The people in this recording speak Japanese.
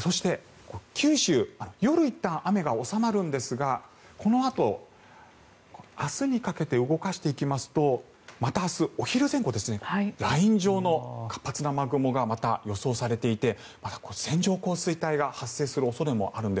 そして九州夜はいったん雨が収まるんですがこのあと明日にかけて動かしていきますとまた明日、お昼前後でライン状の活発な雨雲がまた予想されていて線状降水帯が発生する恐れもあるんです。